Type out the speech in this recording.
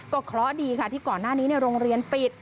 เพราะดีค่ะที่ก่อนหน้านี้โรงเรียนปิด